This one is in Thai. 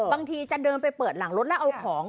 บางทีจะเดินไปเปิดหลังรถแล้วเอาของ